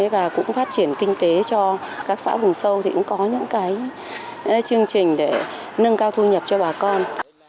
và cũng phát triển kinh tế cho các xã vùng sâu thì cũng có những cái chương trình để nâng cao thu nhập cho bà con